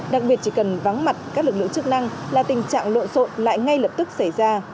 đặc biệt chỉ cần vắng mặt các lực lượng chức năng là tình trạng lộn xộn lại ngay lập tức xảy ra